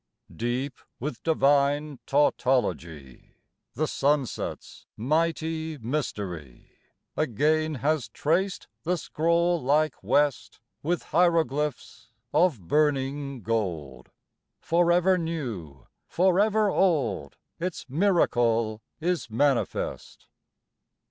Deep with divine tautology, The sunset's mighty mystery Again has traced the scroll like West With hieroglyphs of burning gold: Forever new, forever old, Its miracle is manifest.